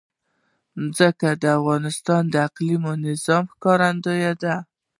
ځمکه د افغانستان د اقلیمي نظام ښکارندوی ده.